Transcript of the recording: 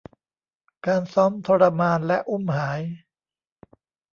การซ้อมทรมานและอุ้มหาย